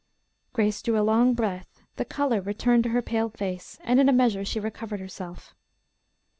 Grace drew a long breath, the color returned to her pale face and in a measure she recovered herself.